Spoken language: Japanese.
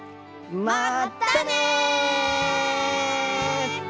まったね！